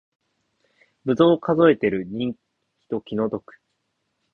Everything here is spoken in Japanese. ぶどう数えてる人気の毒